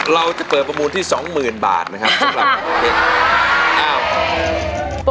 เราจะเปิดประมูลที่สองหมื่นบาทนะครับสำหรับเด็กอ้าว